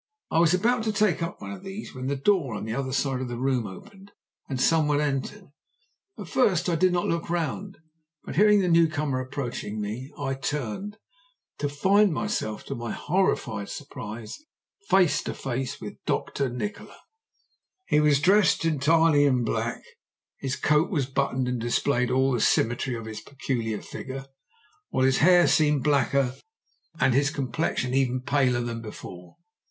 I was about to take up one of these when the door on the other side of the room opened and some one entered. At first I did not look round, but hearing the new comer approaching me I turned, to find myself, to my horrified surprise, face to face with Dr. Nikola. He was dressed entirely in black, his coat was buttoned and displayed all the symmetry of his peculiar figure, while his hair seemed blacker and his complexion even paler than before.